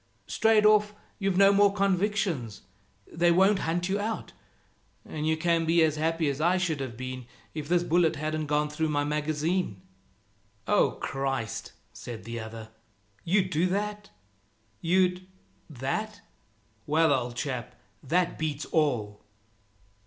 Straight off, you've no more convictions. They won't hunt you out, and you can be as happy as I should have been if this bullet hadn't gone through my magazine." "Oh Christ!" said the other, "you'd do that? You'd that well, old chap, that beats all!"